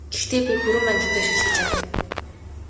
Гэхдээ би хүрэн манжинтай шөл хийж чадна!